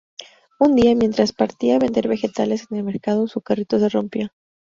Un día, mientras partía a vender vegetales en el mercado, su carrito se rompió.